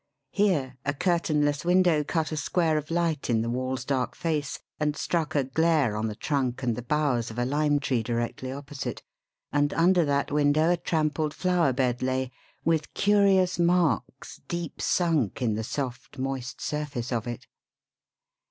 Here, a curtainless window cut a square of light in the wall's dark face and struck a glare on the trunk and the boughs of a lime tree directly opposite, and under that window a trampled flower bed lay, with curious marks deep sunk in the soft, moist surface of it.